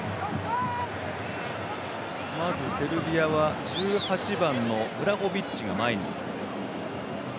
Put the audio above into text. まず、セルビアは１８番のブラホビッチが前に。